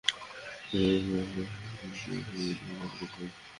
তবে আল্লাহ্ পাক সালমান ফার্সী রাযিয়াল্লাহু আনহু-কে অপূর্ব রণকুশল প্রতিভা দান করেছিলেন।